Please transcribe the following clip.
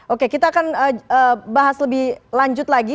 oke kita akan bahas lebih lanjut lagi